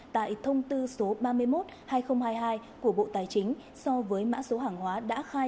tại thông tư số ba mươi một hai nghìn hai mươi hai của bộ tài chính so với mã số hàng hóa đã khai